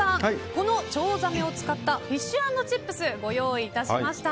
このチョウザメを使ったフィッシュ＆チップスご用意しました。